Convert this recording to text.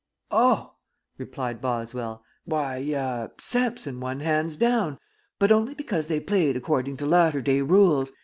"Oh," replied Boswell. "That? Why, ah, Samson won hands down, but only because they played according to latter day rules.